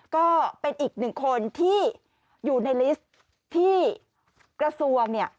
ก็เป็นอีกหนึ่งคนที่อยู่ในลิสต์ที่กระทรวงเนี่ย